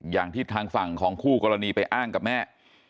อย่างที่ทางฝั่งของคู่กรณีไปอ้างกับแม่